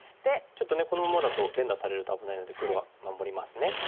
ちょっとねこのままだと連打されると危ないので黒は守りますね。